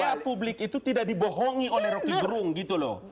supaya publik itu tidak dibohongi oleh rocky gerung gitu loh